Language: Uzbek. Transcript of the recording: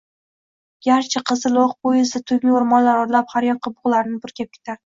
Garchi “Qizil oʻq” poyezdi tungi oʻrmonlar oralab har yoqqa bugʻlarini purkab ketardi.